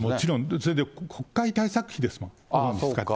それで、国会対策費ですもん。